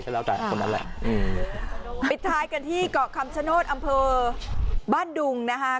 แล้วแต่คนนั้นแหละอืมปิดท้ายกันที่เกาะคำชโนธอำเภอบ้านดุงนะคะ